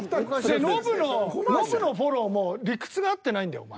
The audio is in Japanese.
ノブのノブのフォローも理屈が合ってないんだよお前。